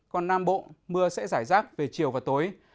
còn nam bộ mưa sẽ giải rác về chiều và tối